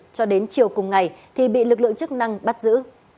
cho đến chiều cùng ngày thì bị lực lượng chức năng bắt giữ